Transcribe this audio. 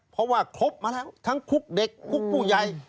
เพราะว่าครบมาแล้วทั้งคุกเด็กคุกผู้ใหญ่